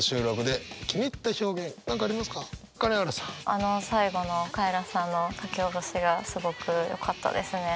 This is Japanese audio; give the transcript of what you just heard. あの最後のカエラさんの書き下ろしがすごくよかったですね。